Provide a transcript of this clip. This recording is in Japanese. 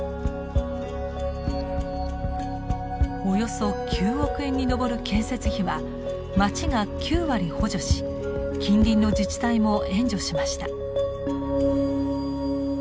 およそ９億円に上る建設費は町が９割補助し近隣の自治体も援助しました。